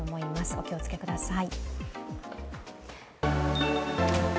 お気をつけください。